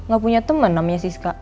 gak punya teman namanya siska